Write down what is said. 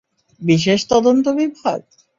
বিশেষ তদন্ত বিভাগ!